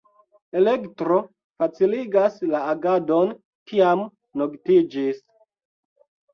Elektro faciligas la agadon, kiam noktiĝis.